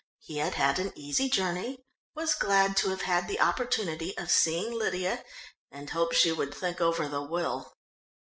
He had had an easy journey, was glad to have had the opportunity of seeing Lydia, and hoped she would think over the will.